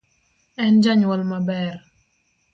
En janyuol maber